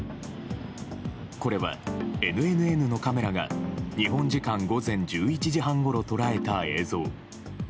これは、ＮＮＮのカメラが、日本時間午前１１時半ごろ捉えた映像。